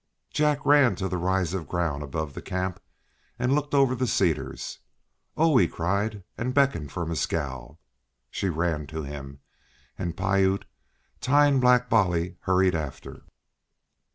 Jack ran to the rise of ground above the camp, and looked over the cedars. "Oh!" he cried, and beckoned for Mescal. She ran to him, and Piute, tying Black Bolly, hurried after.